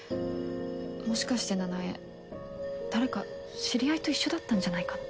もしかして奈々江誰か知り合いと一緒だったんじゃないかな？